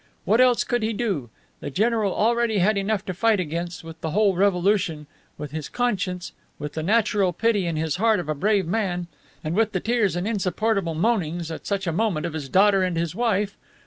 What else could he do? The general already had enough to fight against, with the whole revolution, with his conscience, with the natural pity in his heart of a brave man, and with the tears and insupportable moanings, at such a moment, of his daughter and his wife.